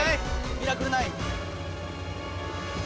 『ミラクル９』！